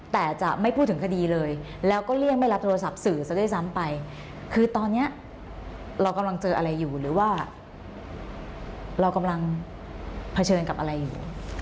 แต่จะไม่พูดถึงคดีเลยแล้วก็เลี่ยงไม่รับโทรศัพท์สื่อซะด้วยซ้ำไปคือตอนนี้เรากำลังเจออะไรอยู่หรือว่าเรากำลังเผชิญกับอะไรอยู่